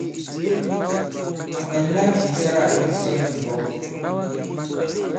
À mɛ̀nla kì ìsalâkdi ǹsɔn nì ɓɔ.